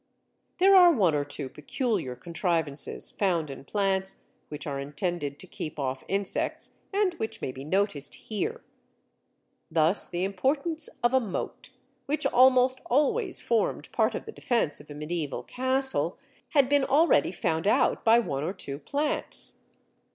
There are one or two peculiar contrivances found in plants which are intended to keep off insects, and which may be noticed here. Thus, the importance of a moat (which almost always formed part of the defence of a medieval castle) had been already found out by one or two plants.